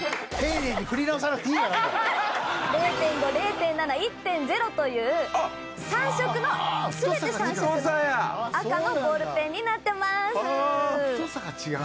ハハハ！という３色の全て３色の赤のボールペンになってます。